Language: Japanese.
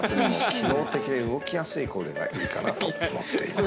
機能的で動きやすいコーデがいいかなと思っています。